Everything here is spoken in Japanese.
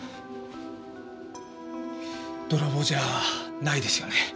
泥棒じゃないですよね。